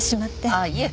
ああいえ。